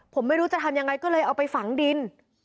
ผมไม่รู้จะทำยังไงก็เลยเอาไปฝังดิน